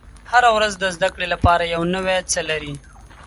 • هره ورځ د زده کړې لپاره یو نوی څه لري.